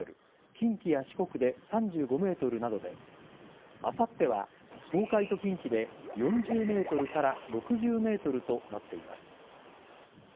近畿や四国で３５メートルなどであさっては、東海と近畿で４０メートルから６０メートルとなっています。